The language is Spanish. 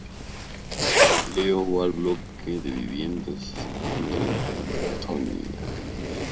Leo va al bloque de viviendas y se encuentra con Tonya.